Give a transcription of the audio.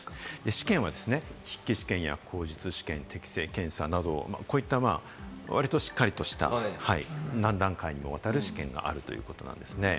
試験は筆記試験や口述試験、適性検査などこういった割としっかりした何段階にもわたる試験があるということなんですね。